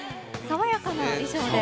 爽やかな衣装で。